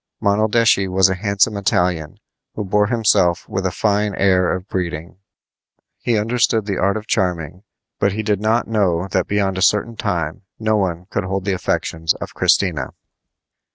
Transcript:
Monaldeschi was a handsome Italian, who bore himself with a fine air of breeding. He understood the art of charming, but he did not know that beyond a certain time no one could hold the affections of Christina.